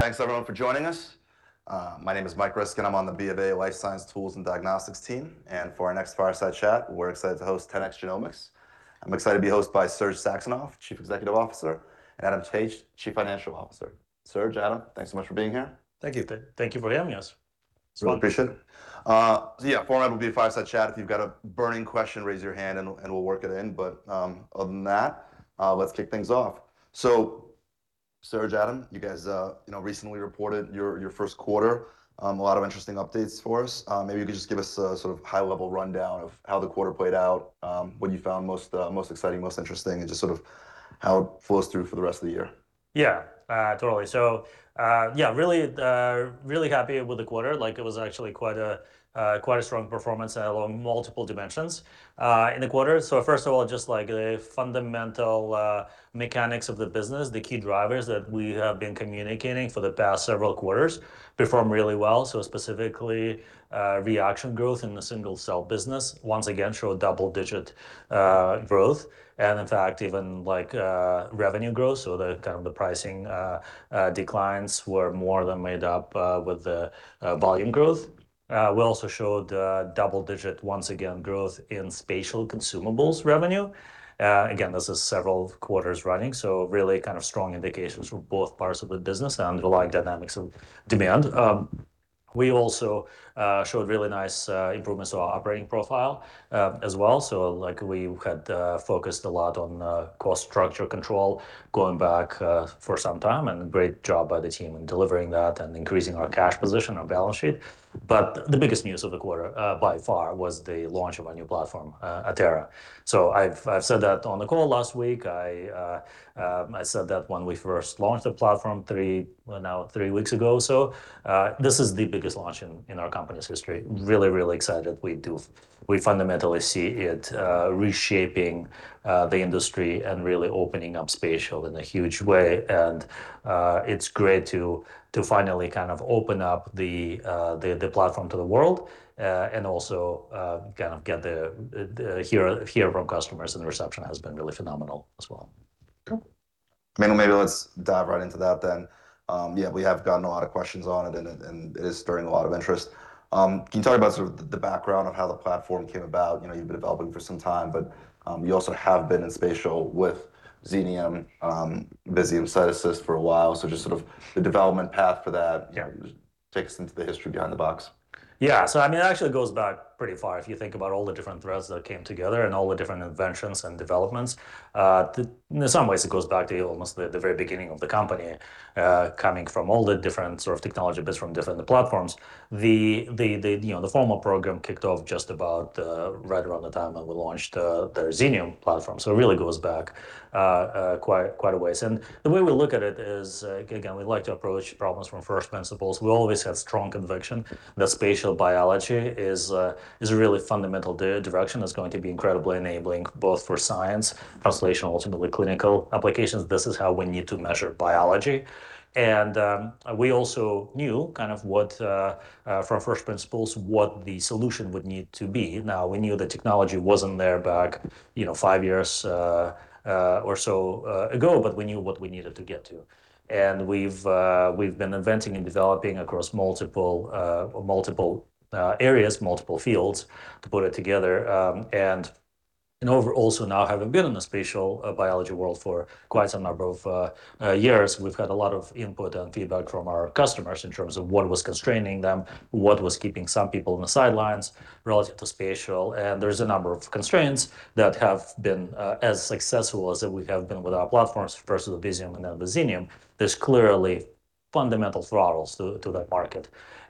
Thanks everyone for joining us. My name is Michael Ryskin, and I'm on the BofA Life Science Tools and Diagnostics team. For our next Fireside Chat, we're excited to host 10x Genomics. I'm excited to be host by Serge Saxonov, Chief Executive Officer, and Adam Taich, Chief Financial Officer. Serge, Adam, thanks so much for being here. Thank you. Thank you for having us. It's my pleasure. Yeah, the format will be a Fireside Chat. If you've got a burning question, raise your hand and we'll work it in. Other than that, let's kick things off. Serge, Adam, you guys, you know, recently reported your first quarter. A lot of interesting updates for us. Maybe you could just give us a sort of high-level rundown of how the quarter played out, what you found most exciting, most interesting, and just sort of how it flows through for the rest of the year. Totally, really, really happy with the quarter. Like it was actually quite a, quite a strong performance along multiple dimensions in the quarter. First of all, just like the fundamental mechanics of the business, the key drivers that we have been communicating for the past several quarters performed really well. Specifically, reaction growth in the single-cell business once again showed double-digit growth and in fact, even like, revenue growth. The kind of the pricing declines were more than made up with the volume growth. We also showed double-digit once again growth in spatial consumables revenue. Again, this is several quarters running, really kind of strong indications from both parts of the business and the underlying dynamics of demand. We also showed really nice improvements to our operating profile as well. Like we had focused a lot on cost structure control going back for some time, and great job by the team in delivering that and increasing our cash position, our balance sheet. The biggest news of the quarter by far was the launch of our new platform, Atera. I've said that on the call last week. I said that when we first launched the platform three, now three weeks ago or so. This is the biggest launch in our company's history. Really, really excited. We fundamentally see it reshaping the industry and really opening up spatial in a huge way. It's great to finally kind of open up the platform to the world, and also, kind of get the hear from customers, and the reception has been really phenomenal as well. Cool. Maybe let's dive right into that then. Yeah, we have gotten a lot of questions on it, and it is stirring a lot of interest. Can you tell me about sort of the background of how the platform came about? You know, you've been developing for some time, but you also have been in spatial with Xenium, Visium CytAssist for a while. Just sort of the development path for that. Yeah. Take us into the history behind the box. Yeah. I mean, it actually goes back pretty far if you think about all the different threads that came together and all the different inventions and developments. In some ways it goes back to almost the very beginning of the company, coming from all the different sort of technology bits from different platforms. You know, the formal program kicked off just about right around the time that we launched the Xenium platform. It really goes back quite a way. The way we look at it is, again, we like to approach problems from first principles. We always had strong conviction that spatial biology is a really fundamental direction, that's going to be incredibly enabling both for science, translation, ultimately clinical applications. This is how we need to measure biology. We also knew kind of what from first principles, what the solution would need to be. Now, we knew the technology wasn't there back, you know, five years or so ago, but we knew what we needed to get to. We've, we've been inventing and developing across multiple areas, multiple fields to put it together. Over also now, having been in the spatial biology world for quite some number of years, we've had a lot of input and feedback from our customers in terms of what was constraining them, what was keeping some people on the sidelines relative to spatial. There's a number of constraints that have been as successful as we have been with our platforms, first with Visium and then with Xenium. There's clearly fundamental throttles to that market,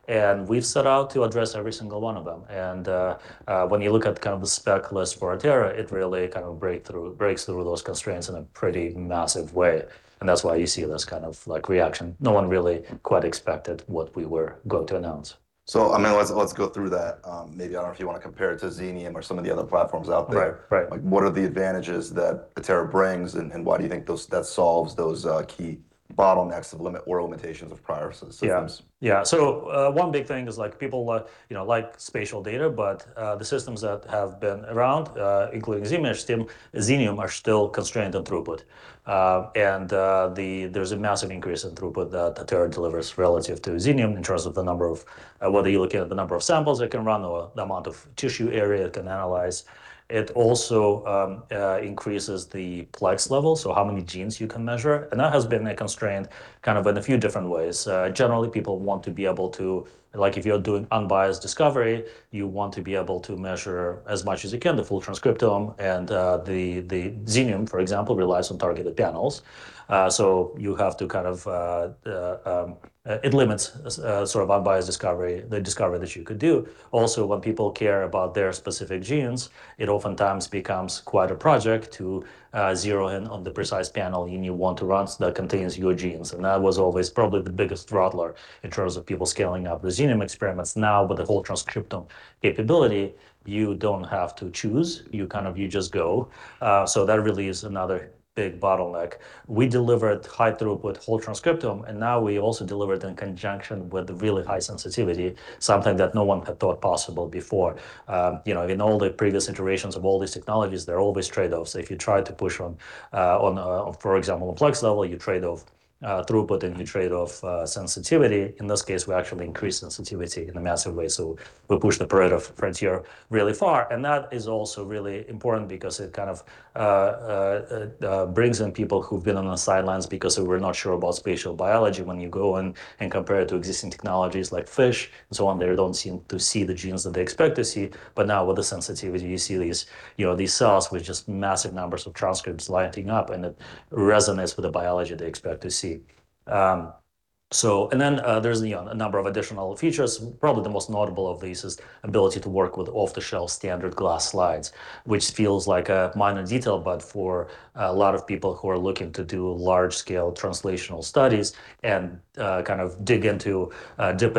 and we've set out to address every single one of them. When you look at kind of the spec list for Atera, it really kind of breaks through those constraints in a pretty massive way, and that's why you see this kind of like reaction. No one really quite expected what we were going to announce. I mean, let's go through that. Maybe I don't know if you wanna compare it to Xenium or some of the other platforms out there? Right. Right. Like what are the advantages that Atera brings and why do you think that solves those key bottlenecks that limit or limitations of prior systems? Yeah. Yeah. One big thing is like people you know, like spatial data, but the systems that have been around, including Xenium, are still constrained on throughput. There's a massive increase in throughput that Atera delivers relative to Xenium in terms of the number of, whether you're looking at the number of samples it can run or the amount of tissue area it can analyze. It also increases the plex level, so how many genes you can measure. That has been a constraint kind of in a few different ways. Generally, people want to be able to, like if you're doing unbiased discovery, you want to be able to measure as much as you can, the full transcriptome. The Xenium, for example, relies on targeted panels. You have to kind of, it limits sort of unbiased discovery, the discovery that you could do. Also, when people care about their specific genes, it oftentimes becomes quite a project to zero in on the precise panel you want to run that contains your genes. That was always probably the biggest throttler in terms of people scaling up the Xenium experiments. Now, with the whole transcriptome capability, you don't have to choose, you kind of, you just go. That relieves another big bottleneck. We delivered high throughput whole transcriptome, now we also deliver it in conjunction with really high sensitivity, something that no one had thought possible before. You know, in all the previous iterations of all these technologies, there are always trade-offs. If you try to push on, for example, on plex level, you trade off throughput and you trade off sensitivity. In this case, we actually increased sensitivity in a massive way, so we pushed the Pareto frontier really far. That is also really important because it kind of brings in people who've been on the sidelines because they were not sure about spatial biology. When you go and compare it to existing technologies like FISH and so on, they don't seem to see the genes that they expect to see. Now with the sensitivity, you see these, you know, these cells with just massive numbers of transcripts lighting up, and it resonates with the biology they expect to see. There's, you know, a number of additional features. Probably the most notable of these is ability to work with off-the-shelf standard glass slides, which feels like a minor detail, but for a lot of people who are looking to do large-scale translational studies and kind of dip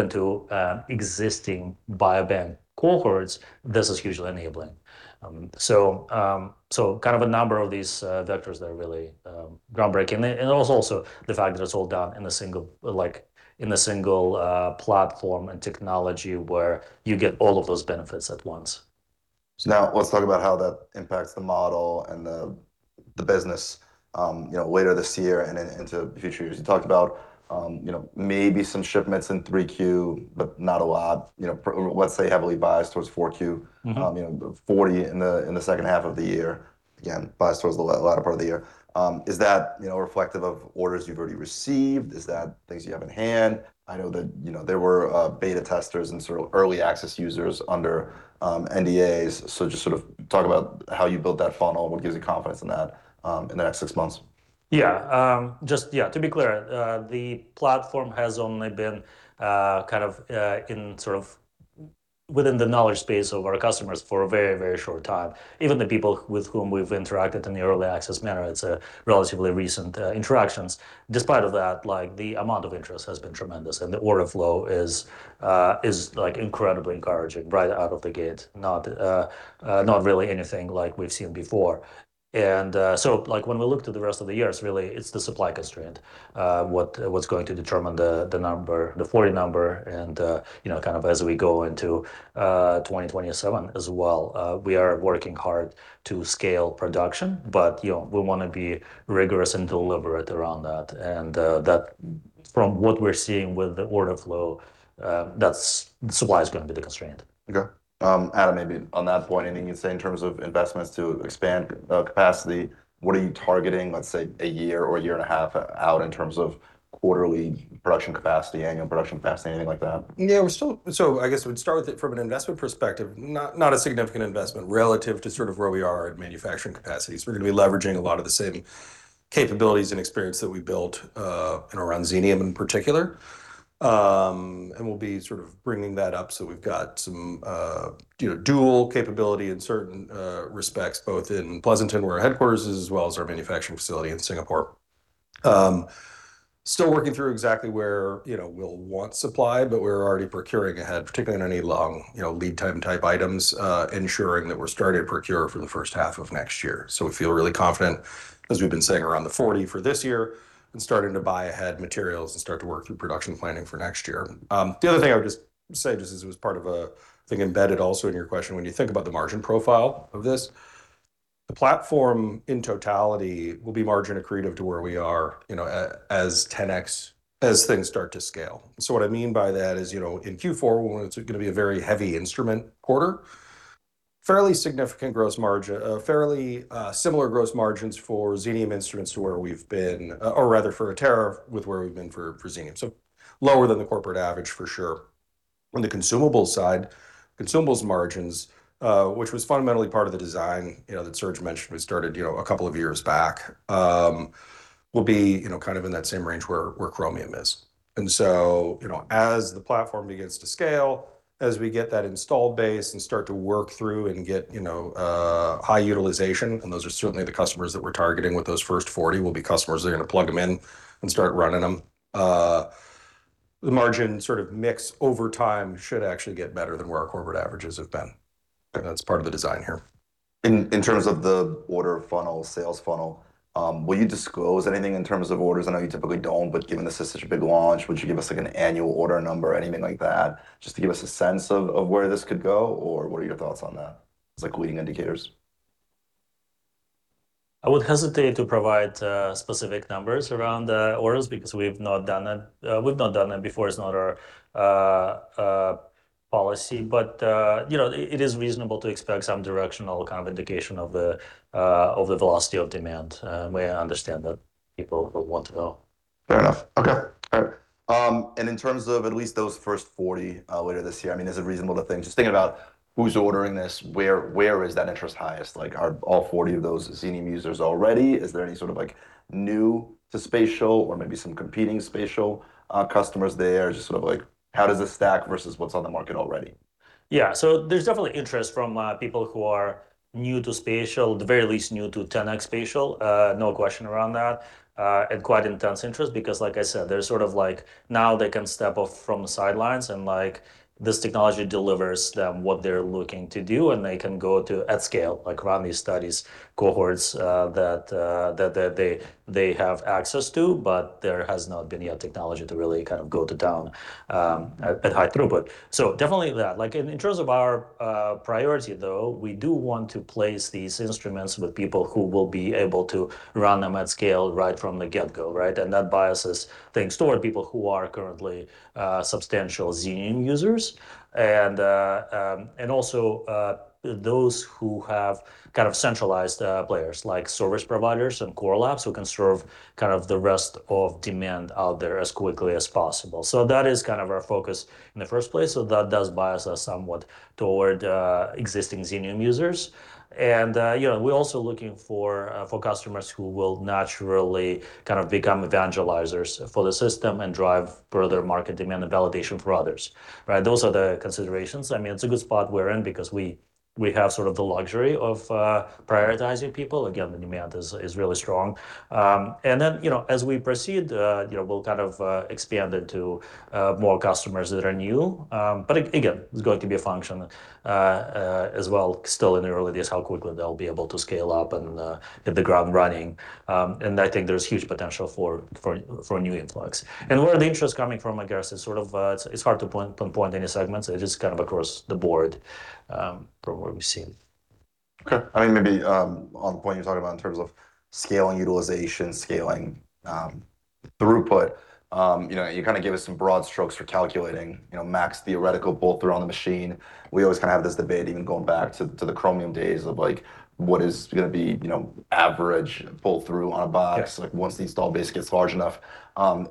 into existing biobank cohorts, this is hugely enabling. So kind of a number of these vectors that are really groundbreaking. Also, the fact that it's all done in a single platform and technology where you get all of those benefits at once. Now let's talk about how that impacts the model and the business, you know, later this year and into the future. You talked about, you know, maybe some shipments in Q3, but not a lot. You know, let's say heavily biased towards Q4. You know, 40 in the second half of the year. Again, biased towards the latter part of the year. Is that, you know, reflective of orders you've already received? Is that things you have in hand? I know that, you know, there were beta testers and sort of early access users under NDAs. Just sort of talk about how you built that funnel and what gives you confidence in that in the next six months. Just, to be clear, the platform has only been within the knowledge base of our customers for a very, very short time. Even the people with whom we've interacted in the early access manner; it's a relatively recent interaction. Despite that, the amount of interest has been tremendous, the order flow is incredibly encouraging right out of the gate, not really anything we've seen before. When we look to the rest of the year, it's really, it's the supply constraint, what's going to determine the number, the 40 number as we go into 2027 as well. We are working hard to scale production, but, you know, we wanna be rigorous and deliberate around that. That from what we're seeing with the order flow, that's supply is gonna be the constraint. Okay. Adam, maybe on that point, anything you'd say in terms of investments to expand capacity? What are you targeting, let's say, a year or a year and a half out in terms of quarterly production capacity, annual production capacity, anything like that? I guess we'd start with it from an investment perspective, not a significant investment relative to sort of where we are in manufacturing capacities. We're gonna be leveraging a lot of the same capabilities and experience that we built, you know, around Xenium in particular. We'll be sort of bringing that up, so we've got some, you know, dual capability in certain respects, both in Pleasanton, where our headquarters is, as well as our manufacturing facility in Singapore. Still working through exactly where, you know, we'll want supply, but we're already procuring ahead, particularly on any long, you know, lead time type items, ensuring that we're starting to procure for the first half of next year. We feel really confident, as we've been saying, around the 40 for this year and starting to buy ahead materials and start to work through production planning for next year. The other thing I would just say, just as it was part of a thing embedded also in your question, when you think about the margin profile of this, the platform in totality will be margin accretive to where we are, you know, as 10x as things start to scale. What I mean by that is, you know, in Q4, when it's going to be a very heavy instrument quarter, fairly similar gross margins for Xenium instruments to where we've been, or rather for Atera with where we've been for Xenium. Lower than the corporate average for sure. On the consumables side, consumables margins, which was fundamentally part of the design, you know, that Serge mentioned, we started, you know, a couple of years back, will be, you know, kind of in that same range where Chromium is. You know, as the platform begins to scale, as we get that installed base and start to work through and get, you know, high utilization, and those are certainly the customers that we're targeting with those first 40, will be customers that are gonna plug them in and start running them. The margin sort of mix over time should actually get better than where our corporate averages have been. That's part of the design here. In terms of the order funnel, sales funnel, will you disclose anything in terms of orders? I know you typically don't, given this is such a big launch, would you give us, like, an annual order number or anything like that, just to give us a sense of where this could go? What are your thoughts on that as, like, leading indicators? I would hesitate to provide specific numbers around the orders because we've not done that. We've not done that before. It's not our policy. You know, it is reasonable to expect some directional kind of indication of the velocity of demand where I understand that people would want to know. Fair enough. Okay. All right. In terms of at least those first 40 later this year, I mean, is it reasonable to think, just thinking about who's ordering this, where is that interest highest? Like, are all 40 of those Xenium users already? Is there any sort of, like, new to spatial or maybe some competing spatial customers there? Just sort of, like, how does this stack versus what's on the market already? Yeah. There's definitely interest from people who are new to spatial, at the very least new to 10x spatial. No question around that. Quite intense interest because, like I said, they're sort of like, now they can step off from the sidelines and, like, this technology delivers them what they're looking to do, and they can go to at scale, like run these studies, cohorts, that they have access to, but there has not been yet technology to really kind of go to town at high throughput. Definitely that. Like, in terms of our priority, though, we do want to place these instruments with people who will be able to run them at scale right from the get-go, right? That biases things toward people who are currently substantial Xenium users and also those who have kind of centralized players, like service providers and core labs who can serve kind of the rest of demand out there as quickly as possible. That is kind of our focus in the first place. That does bias us somewhat toward existing Xenium users. You know, we're also looking for for customers who will naturally kind of become evangelizers for the system and drive further market demand and validation for others, right? Those are the considerations. I mean, it's a good spot we're in because we have sort of the luxury of prioritizing people. Again, the demand is really strong. Then, you know, as we proceed, you know, we'll kind of expand into more customers that are new. Again, it's going to be a function as well, still in the early days, how quickly they'll be able to scale up and hit the ground running. I think there's huge potential for new influx. Where are the interests coming from, I guess, is sort of, it's hard to point any segments? It is kind of across the board, from what we've seen. Okay. I mean, maybe, on the point you're talking about in terms of scaling utilization, scaling throughput, you know, you kind of gave us some broad strokes for calculating, you know, max theoretical pull through on the machine. We always kind of have this debate even going back to the Chromium days of, like, what is gonna be, you know, average pull through on a box. Yeah like, once the install base gets large enough.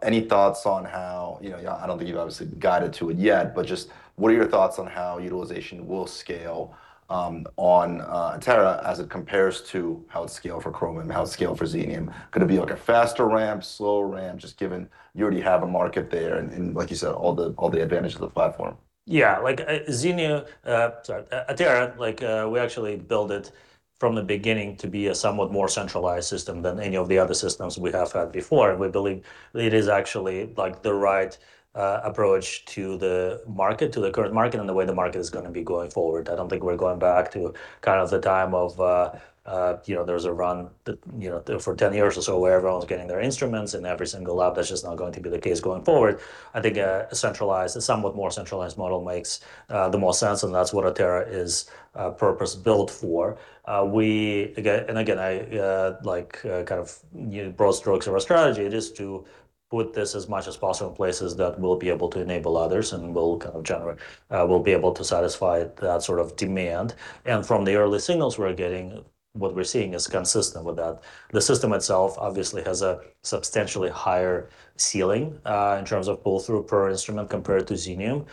Any thoughts on how, you know, I don't think you've obviously guided to it yet, but just what are your thoughts on how utilization will scale on Atera as it compares to how it scaled for Chromium, how it scaled for Xenium? Could it be, like, a faster ramp, slower ramp, just given you already have a market there and, like you said, all the advantage of the platform? Yeah, like Xenium, sorry, Atera, we actually built it from the beginning to be a somewhat more centralized system than any of the other systems we have had before. We believe it is actually, like, the right approach to the market, to the current market and the way the market is gonna be going forward. I don't think we're going back to kind of the time of, you know, there was a run that, you know, for 10 years or so where everyone's getting their instruments in every single lab. That's just not going to be the case going forward. I think a centralized, a somewhat more centralized model makes the most sense, and that's what Atera is purpose-built for. We again, and again, I like kind of broad strokes of our strategy, it is to put this as much as possible in places that will be able to enable others and will kind of generate, will be able to satisfy that sort of demand. From the early signals we're getting, what we're seeing is consistent with that. The system itself obviously has a substantially higher ceiling in terms of pull through per instrument compared to Xenium.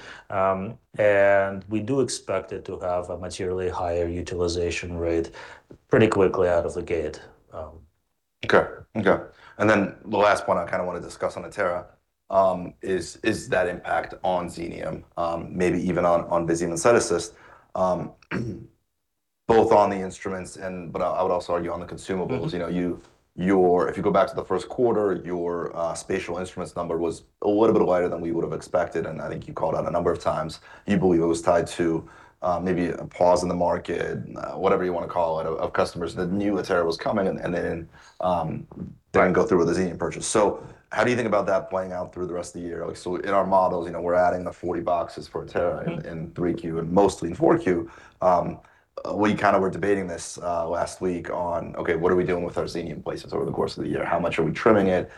We do expect it to have a materially higher utilization rate pretty quickly out of the gate. Okay. The last point I kind of want to discuss on Atera, is that impact on Xenium, maybe even on Visium and CytAssist, both on the instruments and, but I would also argue on the consumables. You know, if you go back to the first quarter, your spatial instruments number was a little bit lighter than we would've expected, and I think you called out a number of times you believe it was tied to maybe a pause in the market, whatever you wanna call it, of customers that knew Atera was coming. Right didn't go through with the Xenium purchase. How do you think about that playing out through the rest of the year? In our models, you know, we're adding the 40 boxes for Atera. In Q3 and mostly in Q4. We kind of were debating this last week on, okay, what are we doing with our Xenium placements over the course of the year? How much are we trimming it?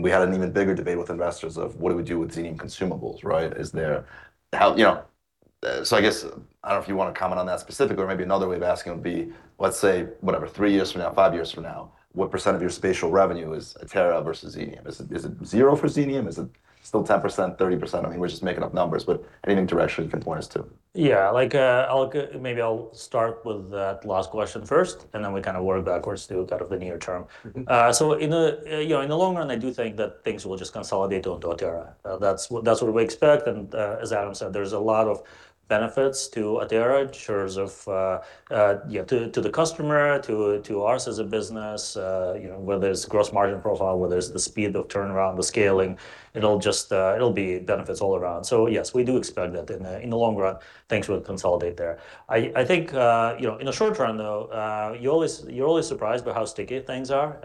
We had an even bigger debate with investors of what do we do with Xenium consumables, right? You know. I guess, I don't know if you wanna comment on that specifically or maybe another way of asking would be, let's say, whatever, three years from now, five years from now, what % of your spatial revenue is Atera versus Xenium? Is it zero for Xenium? Is it still 10%, 30%? I mean, we're just making up numbers, anything directionally you can point us to. Yeah. Like, maybe I'll start with that last question first, and then we kind of work backwards to kind of the near term. In the, you know, in the long run, I do think that things will just consolidate onto Atera. That's what, that's what we expect and, as Adam said, there's a lot of benefits to Atera in terms of, you know, to the customer, to ours as a business, you know, whether it's gross margin profile, whether it's the speed of turnaround, the scaling. It'll just, it'll be benefits all around. Yes, we do expect that in the long run things will consolidate there. I think, you know, in the short run though, you're always surprised by how sticky things are.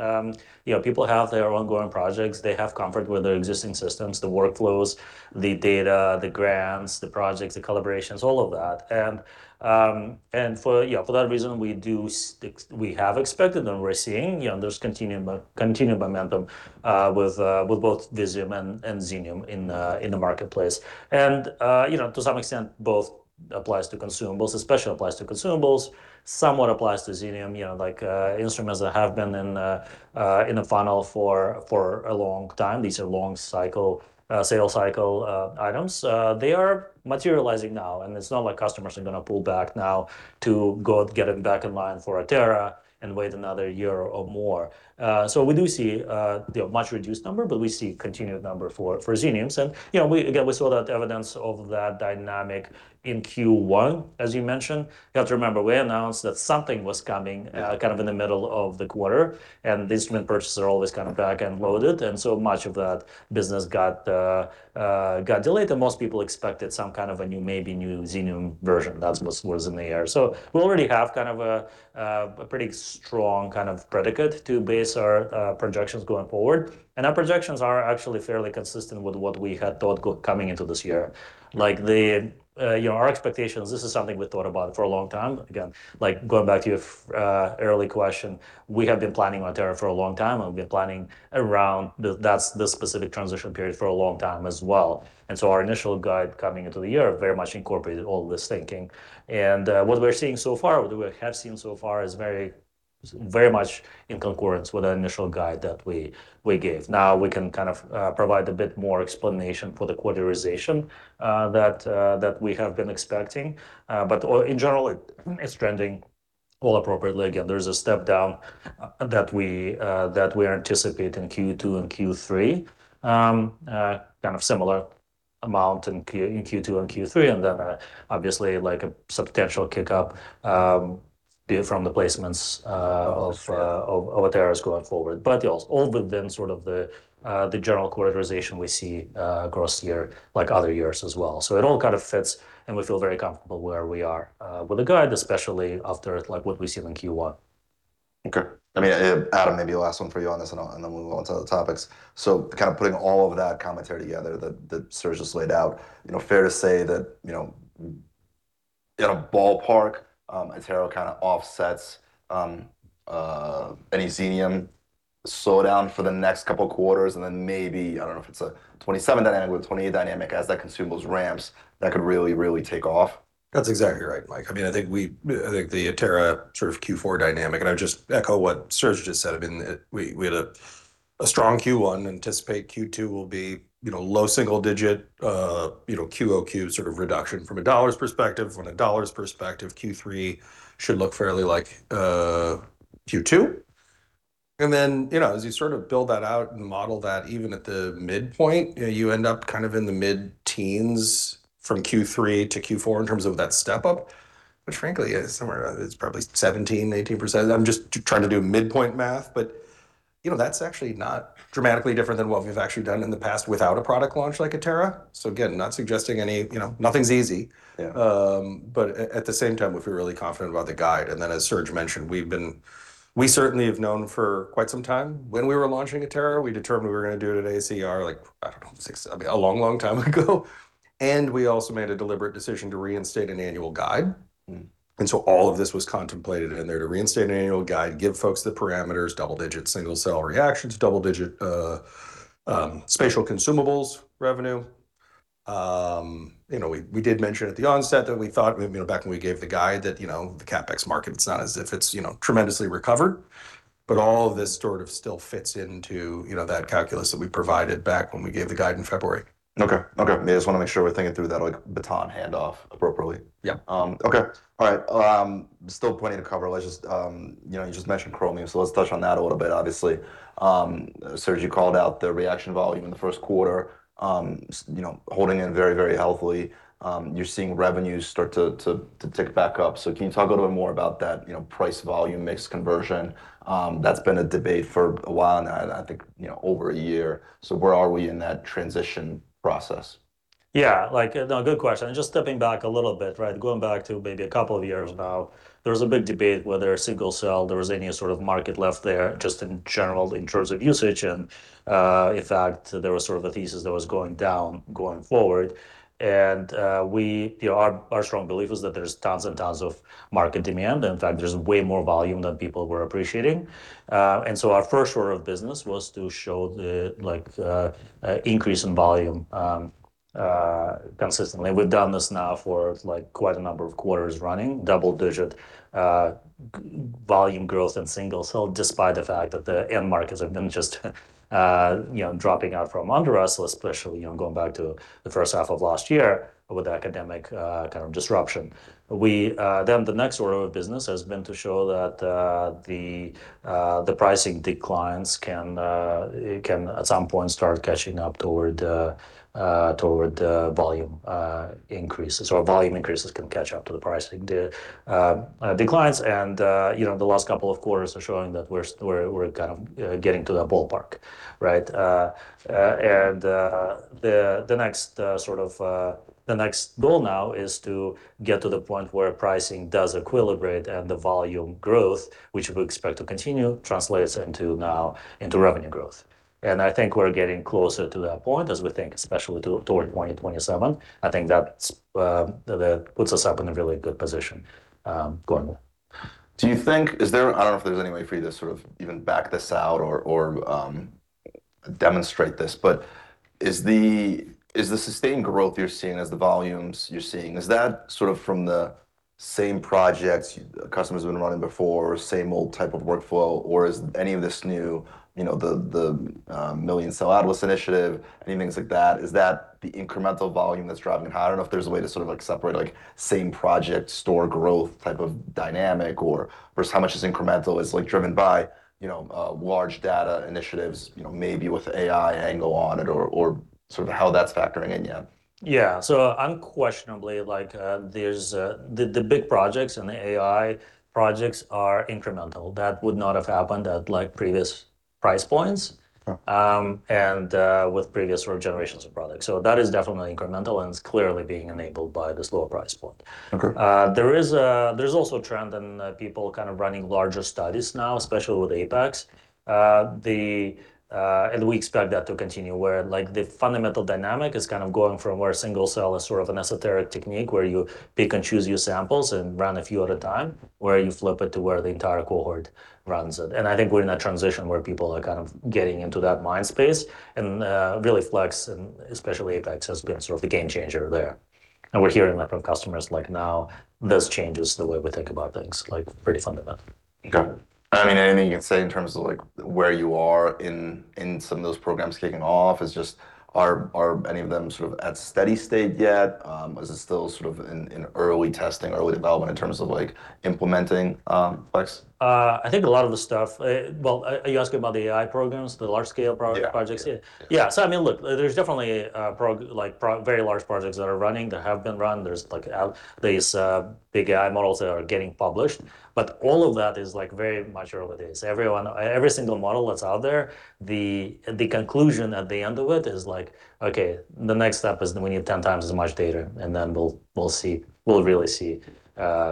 You know, people have their ongoing projects. They have comfort with their existing systems, the workflows, the data, the grants, the projects, the collaborations, all of that. For, you know, for that reason, we do stick. We have expected and we're seeing, you know, there's continuing momentum with both Visium and Xenium in the marketplace. You know, to some extent, both applies to consumables, especially applies to consumables, somewhat applies to Xenium, you know, like instruments that have been in the funnel for a long time. These are long cycle sales cycle items. They are materializing now, and it's not like customers are gonna pull back now to go get back in line for Atera and wait another year or more. So, we do see, you know, much reduced number, but we see continued number for Xeniums. You know, we again, we saw that evidence of that dynamic in Q1, as you mentioned. You have to remember, we announced that something was coming. Yeah Kind of in the middle of the quarter, the instrument purchases are always kind of back end loaded, and so much of that business got delayed. Most people expected some kind of a new, maybe new Xenium version. That was in the air. We already have kind of a pretty strong kind of predicate to base our projections going forward, and our projections are actually fairly consistent with what we had thought coming into this year. Like the, you know, our expectations, this is something we thought about for a long time. Again, like, going back to your early question, we have been planning Atera for a long time, and we've been planning around this specific transition period for a long time as well. Our initial guide coming into the year very much incorporated all this thinking. What we're seeing so far, what we have seen so far is very, very much in concurrence with our initial guide that we gave. Now we can kind of provide a bit more explanation for the quarterization that we have been expecting. In general, it's trending all appropriately. Again, there's a step down that we anticipate in Q2 and Q3, kind of similar amount in Q2 and Q3, and then, obviously, like, a substantial kick-up from the placements. Oh, sure. Of Atera's going forward, all within sort of the general quarterization we see across the year like other years as well. It all kind of fits, and we feel very comfortable where we are with the guide, especially after, like, what we see in Q1. I mean, Adam, maybe the last one for you on this then we'll move on to other topics. Kind of putting all of that commentary together that Serge just laid out, you know, fair to say that, you know, in a ballpark, Atera kind of offsets any Xenium slowdown for the next couple of quarters, and then maybe, I don't know if it's a 2027 dynamic or 2028 dynamic as that consumables ramps that could really take off? That's exactly right, Mike. I mean, I think we, I think the Atera sort of Q4 dynamic, and I would just echo what Serge just said. I mean, we had a strong Q1, anticipate Q2 will be, you know, low single-digit, you know, QOQ sort of reduction from a dollars perspective. From a dollars perspective, Q3 should look fairly like Q2. You know, as you sort of build that out and model that even at the midpoint, you know, you end up kind of in the mid-teens from Q3 to Q4 in terms of that step-up, which frankly is somewhere around, it's probably 17%, 18%. I'm just trying to do midpoint math, but, you know, that's actually not dramatically different than what we've actually done in the past without a product launch like Atera. Again, not suggesting any, you know, nothing's easy. Yeah. At the same time, we feel really confident about the guide. As Serge mentioned, we certainly have known for quite some time when we were launching Atera. We determined we were gonna do it at AACR like, I don't know, I mean, a long, long time ago. We also made a deliberate decision to reinstate an annual guide. All of this was contemplated in there to reinstate an annual guide, give folks the parameters, double-digit single cell reactions, double-digit spatial consumables revenue. You know, we did mention at the onset that we thought, you know, back when we gave the guide that, you know, the CapEx market, it's not as if it's, you know, tremendously recovered, but all of this sort of still fits into, you know, that calculus that we provided back when we gave the guide in February. Okay. Okay. Yeah, just wanna make sure we're thinking through that like baton handoff appropriately. Yeah. Okay. All right. Still plenty to cover. Let's just, you know, you just mentioned Chromium, so let's touch on that a little bit obviously. Serge, you called out the reaction volume in the first quarter, you know, holding in very, very healthily. You're seeing revenues start to tick back up. Can you talk a little bit more about that, you know, price volume mix conversion? That's been a debate for a while now, and I think, you know, over a year. Where are we in that transition process? Yeah. Like, no, good question. Just stepping back a little bit, right, going back to maybe a couple of years now, there was a big debate whether a single cell, there was any sort of market left there, just in general in terms of usage. In fact, there was sort of a thesis that was going down going forward. We, you know, our strong belief was that there's tons and tons of market demand. In fact, there's way more volume than people were appreciating. Our first order of business was to show the, like, increase in volume consistently. We've done this now for, like, quite a number of quarters running double-digit volume growth in single-cell, despite the fact that the end markets have been just, you know, dropping out from under us, especially, you know, going back to the first half of last year with academic kind of disruption. Then the next order of business has been to show that the pricing declines can at some point start catching up toward volume increases, or volume increases can catch up to the pricing declines. You know, the last couple of quarters are showing that we're kind of getting to that ballpark, right? The, the next sort of, the next goal now is to get to the point where pricing does equilibrate and the volume growth, which we expect to continue, translates into now into revenue growth. I think we're getting closer to that point as we think especially toward 2027. I think that's that puts us up in a really good position going forward. Do you think, I don't know if there's any way for you to sort of even back this out or demonstrate this, but is the sustained growth you're seeing as the volumes you're seeing, is that sort of from the same projects customers have been running before, same old type of workflow, or is any of this new, you know, the Human Cell Atlas initiative, any things like that, is that the incremental volume that's driving it? I don't know if there's a way to sort of like separate same project store growth type of dynamic or versus how much is incremental, is like driven by, large data initiatives, you know, maybe with AI angle on it or sort of how that's factoring in yet? Yeah. unquestionably, like, there's the big projects and the AI projects are incremental. That would not have happened at like previous price points. Sure with previous generations of products. That is definitely incremental, and it's clearly being enabled by this lower price point. Okay. There's also a trend in people kind of running larger studies now, especially with Apex. We expect that to continue, where like the fundamental dynamic is kind of going from where a single cell is sort of an esoteric technique where you pick and choose your samples and run a few at a time, where you flip it to where the entire cohort runs it. I think we're in that transition where people are kind of getting into that mind space, and really Flex, and especially Apex, has been sort of the game changer there. We're hearing that from customers, like now this changes the way we think about things, like pretty fundamental. Okay. I mean, anything you can say in terms of like where you are in some of those programs kicking off? Are any of them sort of at steady state yet? Is it still sort of in early testing, early development in terms of like implementing, Flex? I think a lot of the stuff, well, are you asking about the AI programs, the large-scale projects? Yeah. Yeah. Yeah. I mean, look, there's definitely very large projects that are running, that have been run. There's like these big AI models that are getting published. All of that is like very much early days. Everyone, every single model that's out there, the conclusion at the end of it is like, okay, the next step is we need 10 times as much data, and then we'll see, we'll really see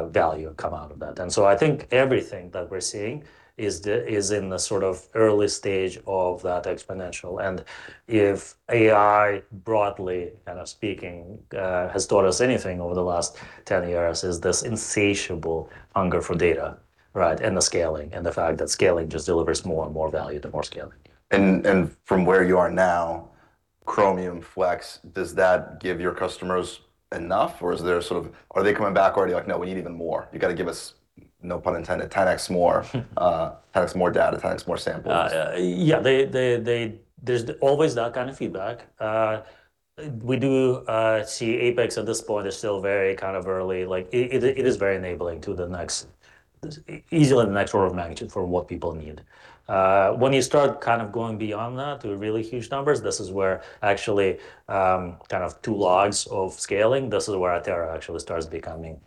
value come out of that. I think everything that we're seeing is in the sort of early stage of that exponential. If AI broadly kind of speaking has taught us anything over the last 10 years, is this insatiable hunger for data. Right, the scaling, and the fact that scaling just delivers more and more value, the more scaling. From where you are now, Chromium, Flex, does that give your customers enough? Are they coming back already, like, "No, we need even more. You gotta give us," no pun intended, "10X more, 10X more data, 10X more samples? Yeah, there's always that kind of feedback. We do see Apex at this point is still very kind of early. Like, it is very enabling to the next order of magnitude for what people need. When you start kind of going beyond that to really huge numbers, this is where actually, kind of 2 logs of scaling, this is where Atera actually starts becoming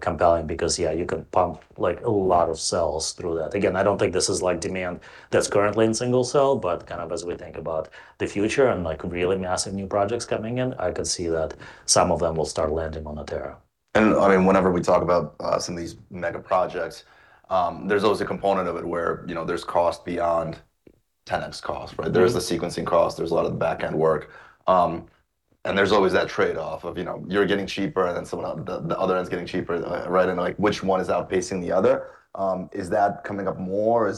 compelling because, yeah, you can pump, like, a lot of cells through that. Again, I don't think this is, like, demand that's currently in single cell, but kind of as we think about the future and, like, really massive new projects coming in, I can see that some of them will start landing on Atera. I mean, whenever we talk about some of these mega projects, there's always a component of it where, you know, there's cost beyond 10x cost, right? There's the sequencing cost. There's a lot of the backend work. There's always that trade-off of, you know, you're getting cheaper and then someone, the other end's getting cheaper, right? Like, which one is outpacing the other? Is that coming up more?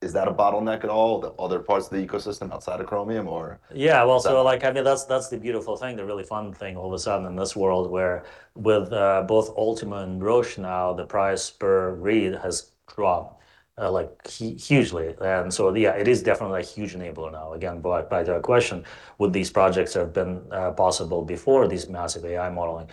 Is that a bottleneck at all, the other parts of the ecosystem outside of Chromium or is that? Well, like, I mean, that's the beautiful thing, the really fun thing all of a sudden in this world where with both Ultima and Roche now, the price per read has dropped like hugely. Yeah, it is definitely a huge enabler now. Again, back to that question, would these projects have been possible before these massive AI modeling?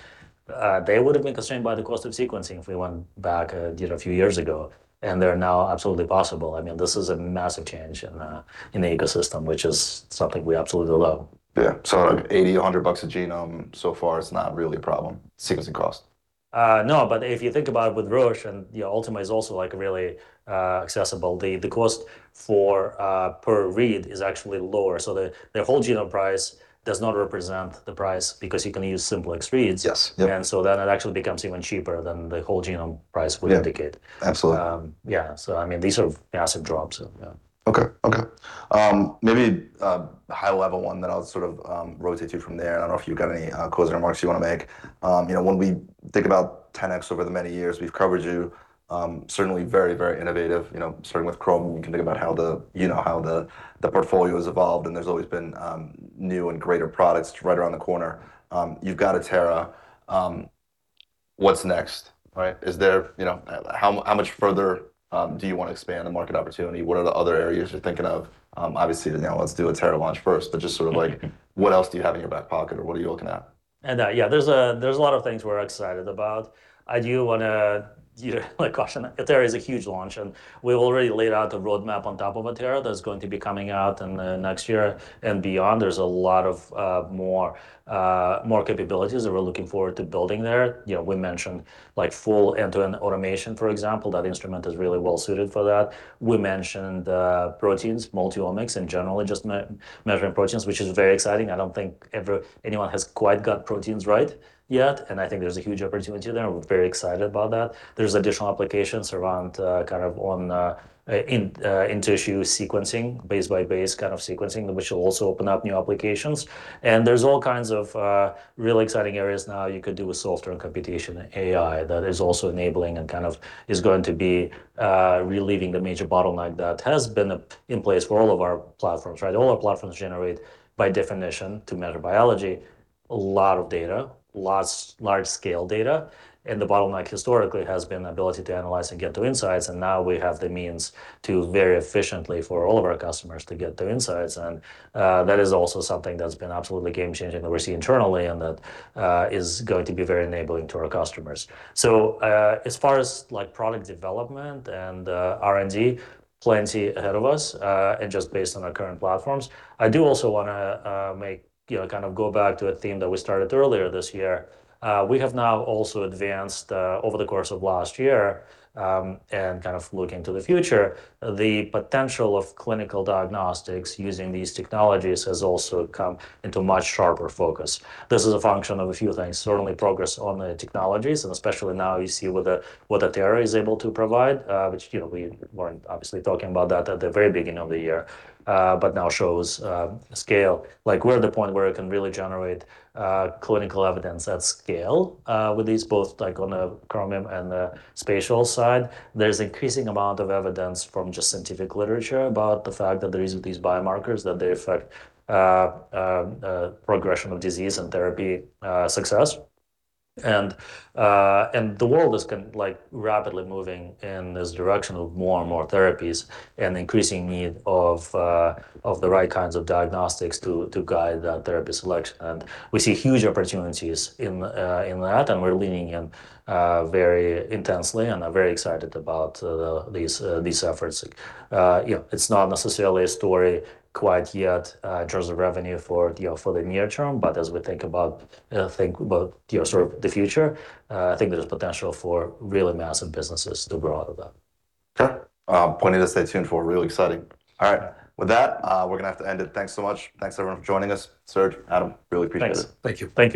They would've been constrained by the cost of sequencing if we went back, you know, a few years ago, and they're now absolutely possible. I mean, this is a massive change in the ecosystem, which is something we absolutely love. Yeah. Like $80-$100 a genome, so far, it's not really a problem, sequencing cost? No. If you think about it with Roche, and, you know, Ultima is also like really accessible. The cost for per read is actually lower, so the whole genome price does not represent the price because you can use simplex reads. Yes. Yep. It actually becomes even cheaper than the whole genome price would indicate. Yeah. Absolutely. Yeah. I mean, these are massive drops, so yeah. Okay. Okay. Maybe a high-level one that I'll sort of rotate to from there. I don't know if you've got any closing remarks you wanna make. You know, when we think about 10x over the many years we've covered you, certainly very innovative. You know, starting with Chromium, you can think about how the portfolio has evolved, there's always been new and greater products right around the corner. You've got Atera. What's next, right? Is there, you know How much further do you wanna expand the market opportunity? What are the other areas you're thinking of? Obviously now let's do Atera launch first, just sort of like what else do you have in your back pocket or what are you looking at? Yeah. There's a lot of things we're excited about. I do wanna, you know, like caution, Atera is a huge launch, and we've already laid out the roadmap on top of Atera that's going to be coming out in next year and beyond. There's a lot of more capabilities that we're looking forward to building there. You know, we mentioned like full end-to-end automation, for example. That instrument is really well suited for that. We mentioned proteins, multi-omics in general are just measuring proteins, which is very exciting. I don't think ever anyone has quite got proteins right yet, and I think there's a huge opportunity there, and we're very excited about that. There's additional applications around kind of in situ sequencing, base by base kind of sequencing, which will also open up new applications. There's all kinds of really exciting areas now you could do with software and computation and AI that is also enabling and kind of is going to be relieving the major bottleneck that has been in place for all of our platforms, right? All our platforms generate, by definition to meta biology, a lot of data, lots large scale data. The bottleneck historically has been the ability to analyze and get to insights. Now we have the means to very efficiently for all of our customers to get their insights. That is also something that's been absolutely game changing that we see internally and that is going to be very enabling to our customers. As far as like product development and R&D, plenty ahead of us, and just based on our current platforms. I do also wanna make, you know, kind of go back to a theme that we started earlier this year. We have now also advanced over the course of last year, and kind of looking to the future, the potential of clinical diagnostics using these technologies has also come into much sharper focus. This is a function of a few things. Sure. Certainly, progress on the technologies, especially now you see what Atera is able to provide, which, you know, we weren't obviously talking about that at the very beginning of the year but now shows scale. Like we're at the point where it can really generate clinical evidence at scale with these both like on a Chromium and the spatial side. There's increasing amount of evidence from just scientific literature about the fact that the use of these biomarkers, that they affect progression of disease and therapy success. The world is kind of like rapidly moving in this direction of more and more therapies and increasing need of the right kinds of diagnostics to guide that therapy selection. We see huge opportunities in that, and we're leaning in, very intensely and are very excited about, these efforts. You know, it's not necessarily a story quite yet, in terms of revenue for, you know, for the near term, as we think about, you know, sort of the future, I think there's potential for really massive businesses to grow out of that. Okay. Plenty to stay tuned for. Really exciting. All right. With that, we're gonna have to end it. Thanks so much. Thanks everyone for joining us. Serge, Adam, really appreciate it. Thanks. Thank you. Thank you.